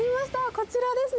こちらですね。